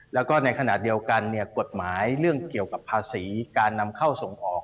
แล้วก็ในขณะเดียวกันกฎหมายเรื่องเกี่ยวกับภาษีการนำเข้าส่งออก